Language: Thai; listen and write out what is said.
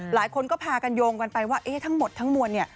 หลายคนก็พากันโยงกันไปว่าทั้งหมดทั้งมวล